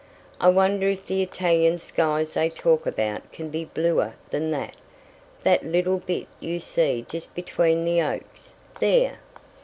I wonder if the Italian skies they talk about can be bluer than that that little bit you see just between the oaks there!"